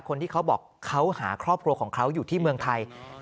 เขาบอกเขาหาครอบครัวของเขาอยู่ที่เมืองไทย